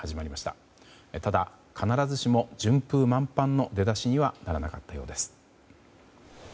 ただ必ずしも順風満帆の出だしにはならなかったようです。